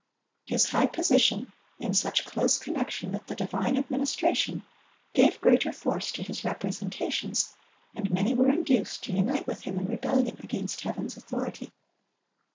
His high position, in such close connection with the divine administration, gave greater force to his representations, and many were induced to unite with him in rebellion against Heaven's authority.